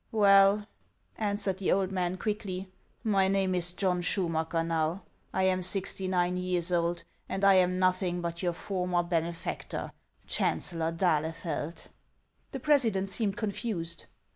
" Well," answered the old man, quickly, " my name is John Schumacker now ; I am sixty nine years old, and I am nothing but your former benefactor, Chancellor d'Ahlefeld." The president seemed confused.